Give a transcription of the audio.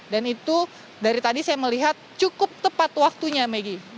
dan itu dari tadi saya melihat cukup tepat waktunya maggie